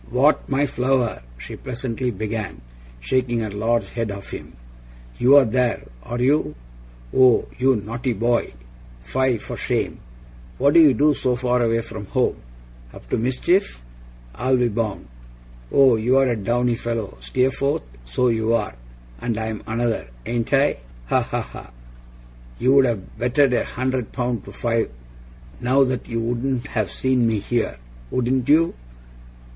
'What! My flower!' she pleasantly began, shaking her large head at him. 'You're there, are you! Oh, you naughty boy, fie for shame, what do you do so far away from home? Up to mischief, I'll be bound. Oh, you're a downy fellow, Steerforth, so you are, and I'm another, ain't I? Ha, ha, ha! You'd have betted a hundred pound to five, now, that you wouldn't have seen me here, wouldn't you?